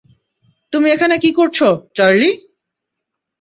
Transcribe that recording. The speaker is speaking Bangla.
তুমি এখানে কী করছো, চার্লি?